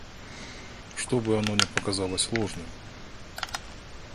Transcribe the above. чтобы оно не показалось ложным.